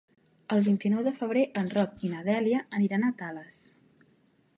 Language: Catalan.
El vint-i-nou de febrer en Roc i na Dèlia aniran a Tales.